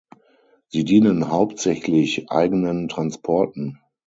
Sie dienen hauptsächlich eigenen Transporten.